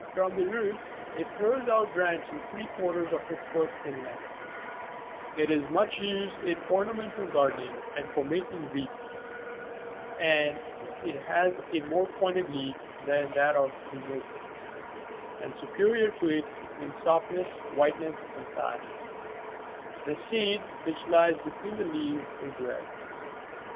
"77 From the root it throws out branches three quarters of a foot in length ; it is much used in ornamental gardening, and for making wreaths, and it has a more pointed leaf than that of the myrtle, and superior to it in softness, whiteness, and size : the seed, which lies between the leaves, is red.